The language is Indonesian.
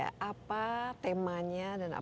sebenarnya dokipado ada room yang ada ya